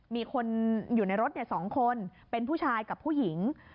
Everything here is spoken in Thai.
มีคนอยู่ในรถ๒คนเป็นผู้ชายกับผู้หญิง